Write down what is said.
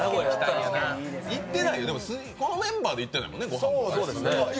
このメンバーで行ってないもんね、ご飯ね。